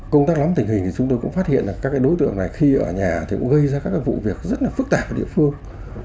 công tác lắm tình hình thì chúng tôi cũng phát hiện là các đối tượng này khi ở nhà thì cũng gây ra các vụ việc rất là phức tạp ở địa phương